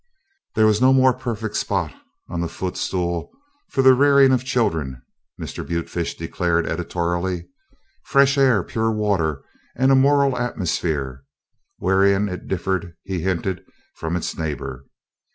There was no more perfect spot on the footstool for the rearing of children, Mr. Butefish declared editorially. Fresh air, pure water, and a moral atmosphere wherein it differed, he hinted, from its neighbor.